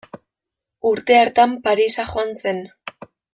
Urte hartan Parisa joan zen.